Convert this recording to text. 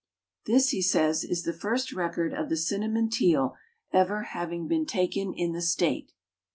This, he says, is the first record of the cinnamon teal ever having been taken in the state.